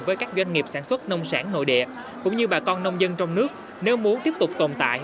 với các doanh nghiệp sản xuất nông sản nội địa cũng như bà con nông dân trong nước nếu muốn tiếp tục tồn tại